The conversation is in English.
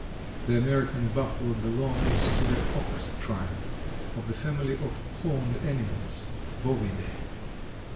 The American Buffalo belongs to the ox tribe of the family of horned animals (Bovidæ).